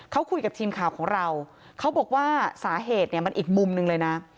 เขาคุยกับทีมข่าวของเราเขาบอกว่าสาเหตุเนี่ยมันอีกมุมหนึ่งเลยนะ